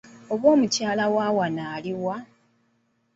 Oba omukyala wawano aliwa?